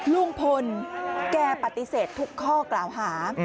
ลุงพลแกปฏิเสธทุกข้อกล่าวหา